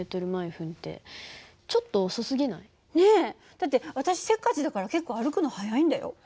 だって私せっかちだから結構歩くの速いんだよ。